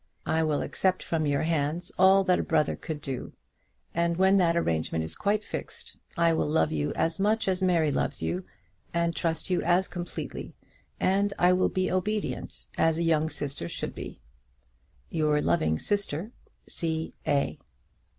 I will accept from your hands all that a brother could do; and when that arrangement is quite fixed, I will love you as much as Mary loves you, and trust you as completely; and I will be obedient, as a younger sister should be. Your loving Sister, C. A.